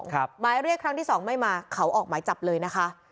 หมายเรียกครั้งที่สองไม่มาเขาออกหมายจับเลยนะคะ